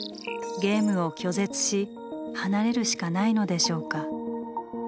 ゲームを拒絶し離れるしかないのでしょうか？